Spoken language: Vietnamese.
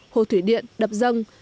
hồ thủy điện đập dâng